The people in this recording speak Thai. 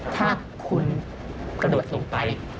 ถ้าคุณกระโดดลงไป